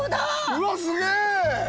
うわっすげえ！